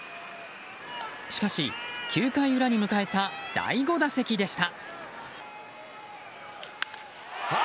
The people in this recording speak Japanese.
しかし、９回裏に迎えた第５打席でした。